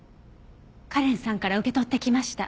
カレンさんから受け取ってきました。